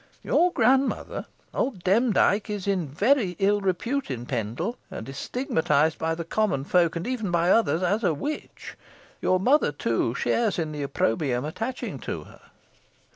Your grandmother, Old Demdike, is in very ill depute in Pendle, and is stigmatised by the common folk, and even by others, as a witch. Your mother, too, shares in the opprobrium attaching to her."